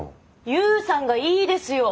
勇さんがいいですよ。